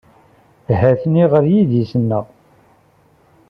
Ha-ten-i ɣer yidis-nneɣ.